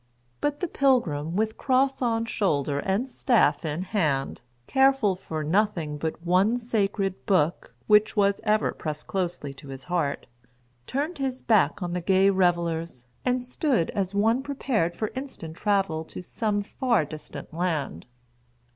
But the pilgrim, with cross on shoulder, and staff in hand, careful for nothing but one sacred book, which was ever pressed closely to his heart, turned his back on the gay revellers, and stood as one prepared for instant travel to some far distant land.